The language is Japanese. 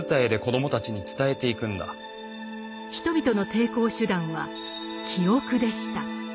人々の抵抗手段は「記憶」でした。